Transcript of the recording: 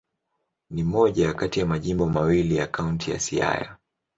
Ni moja kati ya majimbo mawili ya Kaunti ya Siaya.